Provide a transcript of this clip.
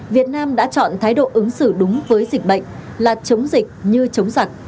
việt nam đã chọn thái độ ứng xử đúng với dịch bệnh là chống dịch như chống giặc